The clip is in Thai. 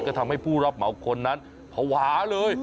ก็ทำให้ผู้รับเหมาคนนั้นภาวะเลย